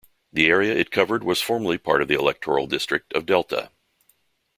The area it covered was formerly part of the electoral district of Delta.